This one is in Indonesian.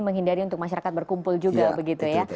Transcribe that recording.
menghindari untuk masyarakat berkumpul juga begitu ya